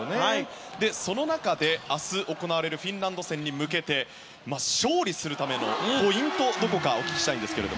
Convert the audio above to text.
その中で明日行われるフィンランド戦に向けて勝利するためのポイントはどこかお聞きしたいんですが。